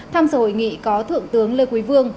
tham dự hội nghị có thượng tướng lê quý vương